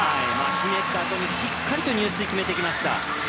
ひねったあとにしっかりと入水決めてきました。